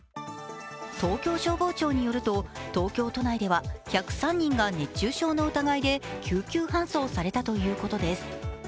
東京消防庁によると東京都内では１０３人が熱中症の疑いで救急搬送されたということです。